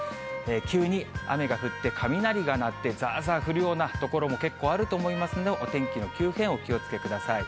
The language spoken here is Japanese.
急に雨が降って、雷が鳴って、ざーざー降るような所も結構あると思いますので、お天気の急変、お気をつけください。